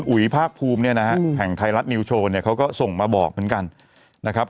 อุ๋ยภาคภูมิเนี่ยนะฮะแห่งไทยรัฐนิวโชว์เนี่ยเขาก็ส่งมาบอกเหมือนกันนะครับ